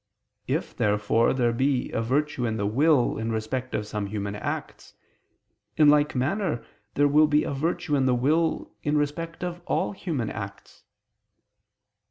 If therefore there be a virtue in the will in respect of some human acts, in like manner there will be a virtue in the will in respect of all human acts.